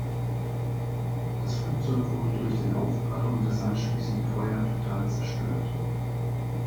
Das Flugzeug wurde durch den Aufprall und das anschließende Feuer total zerstört.